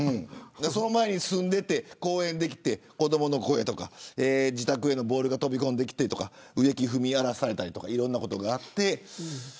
その前に住んでいてこの公園ができて子どもの声とか自宅にボールが飛び込んできたり植木踏み荒らされたりとかいろんなことがあって。